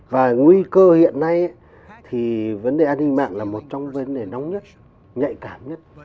và nguy cơ hiện nay thì vấn đề an ninh mạng là một trong vấn đề nóng nhất nhạy cảm nhất